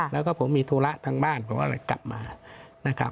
แล้วก็ผมมีธุระทั้งบ้านเพราะว่ากลับมา